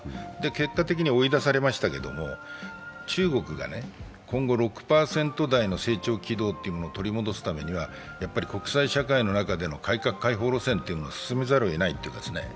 結果的に追い出されましたけれども、中国が今後６％台の成長軌道を取り戻すためには国際社会の中での改革開放路線は進めざるをえない。